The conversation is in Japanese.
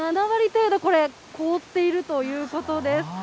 ７割程度、これ、凍っているということです。